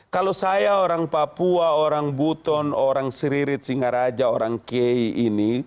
kalau saya orang papua orang buton orang siririt singaraja orang kiai ini